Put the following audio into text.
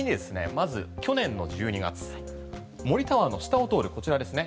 まず去年の１２月森タワーの下を通るこちらですね。